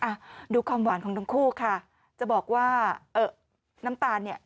อ่ะดูความหวานของทั้งคู่ค่ะจะบอกว่าเอ่อน้ำตาลเนี่ย